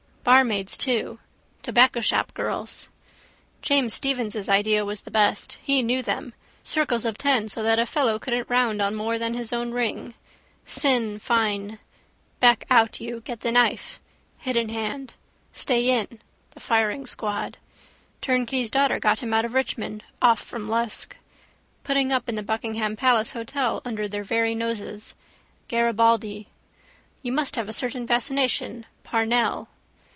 Barmaids too. Tobaccoshopgirls. James Stephens' idea was the best. He knew them. Circles of ten so that a fellow couldn't round on more than his own ring. Sinn Fein. Back out you get the knife. Hidden hand. Stay in. The firing squad. Turnkey's daughter got him out of Richmond, off from Lusk. Putting up in the Buckingham Palace hotel under their very noses. Garibaldi. You must have a certain fascination: Parnell.